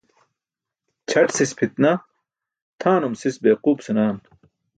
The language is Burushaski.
Ćʰať sis pʰitnah, tʰanum sis beequup senaan.